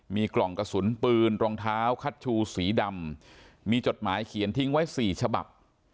มีกล่องกระสุนปืนรองเท้าคัชชูสีดำมีจดหมายเขียนทิ้งไว้๔ฉบับ